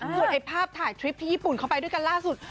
ส่วนไอ้ภาพถ่ายทริปที่ญี่ปุ่นเข้าไปด้วยกันล่าสุด